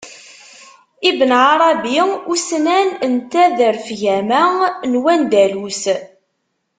Ibn Ɛarabi; ussnan n taderfgama n wandalus.